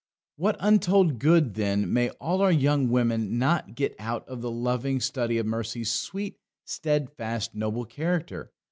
What untold good, then, may all our young women not get out of the loving study of Mercy's sweet, steadfast, noble character!